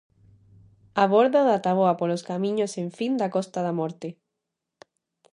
A bordo da táboa polos camiños sen fin da Costa da Morte.